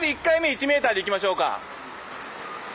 １メーターでいきましょうか。